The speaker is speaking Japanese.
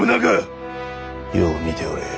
よう見ておれ